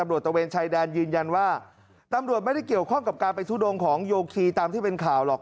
ตะเวนชายแดนยืนยันว่าตำรวจไม่ได้เกี่ยวข้องกับการไปทุดงของโยคีตามที่เป็นข่าวหรอก